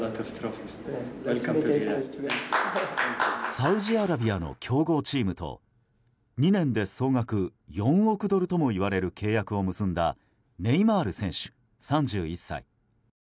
サウジアラビアの強豪チームと２年で総額４億ドルともいわれる契約を結んだネイマール選手、３１歳。